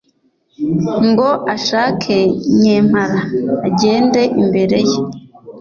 Ngo ashake Nyempara, agende imbere ye,